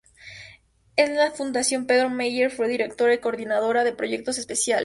En la Fundación Pedro Meyer fue directora y coordinadora de proyectos especiales.